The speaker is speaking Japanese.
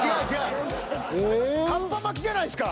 カッパ巻きじゃないですか。